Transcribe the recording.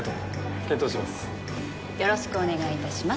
検討します。